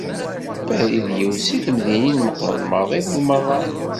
Paris d yiwet seg temdinin meqqren maḍi deg umaḍal.